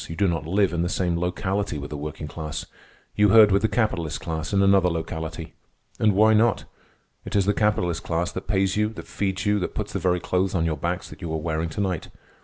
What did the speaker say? You do not live in the same locality with the working class. You herd with the capitalist class in another locality. And why not? It is the capitalist class that pays you, that feeds you, that puts the very clothes on your backs that you are wearing to night.